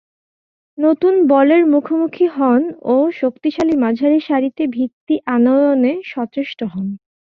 নতুন বলের মুখোমুখি হন ও শক্তিশালী মাঝারিসারিতে ভিত্তি আনয়ণে সচেষ্ট হন।